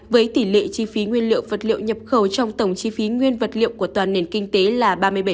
với tỷ lệ chi phí nguyên liệu vật liệu nhập khẩu trong tổng chi phí nguyên vật liệu của toàn nền kinh tế là ba mươi bảy